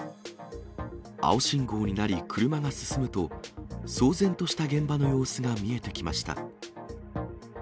青信号になり、車が進むと、騒然とした現場の様子が見えてきました。